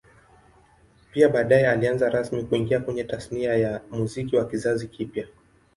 Pia baadae alianza rasmi kuingia kwenye Tasnia ya Muziki wa kizazi kipya